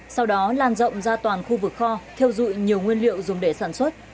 sau đó lan rộng ra toàn khu vực kho theo dụi nhiều nguyên liệu dùng để sản xuất